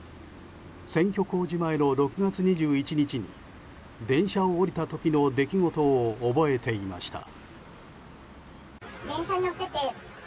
選挙公示前の６月２１日に電車を降りた時の出来事を覚えていました。